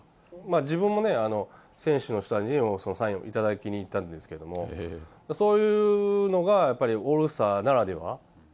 自分もね、選手の人たちにサインを頂きに行ったんですけれども、そういうのがやっぱりオールスターならでは。